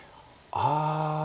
ああ。